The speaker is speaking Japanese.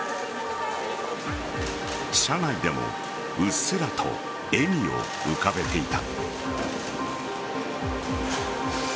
車内でもうっすらと笑みを浮かべていた。